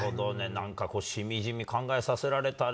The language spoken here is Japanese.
なんかしみじみ考えさせられたね。